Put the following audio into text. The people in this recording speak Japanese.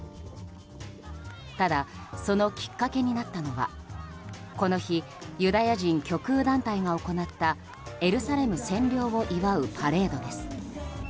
ただ、そのきっかけになったのはこの日ユダヤ人極右団体が行ったエルサレム占領を祝うパレードです。